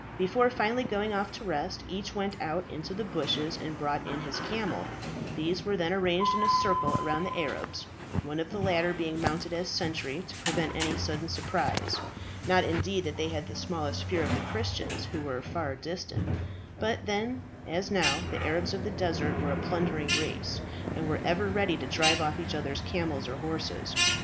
Before finally going off to rest, each went out into the bushes and brought in his camel; these were then arranged in a circle around the Arabs, one of the latter being mounted as sentry to prevent any sudden surprise not indeed that they had the smallest fear of the Christians, who were far distant; but then, as now, the Arabs of the desert were a plundering race, and were ever ready to drive off each other's camels or horses.